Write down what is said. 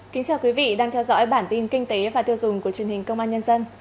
kính chào quý vị đang theo dõi bản tin kinh tế và tiêu dùng của truyền hình công an nhân dân